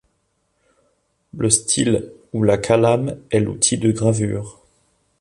Le style ou la calame est l'outil de gravure.